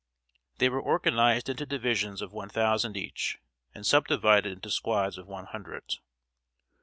They were organized into divisions of one thousand each, and subdivided into squads of one hundred.